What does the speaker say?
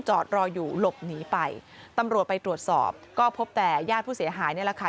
จอดรออยู่หลบหนีไปตำรวจไปตรวจสอบก็พบแต่ญาติผู้เสียหายนี่แหละค่ะ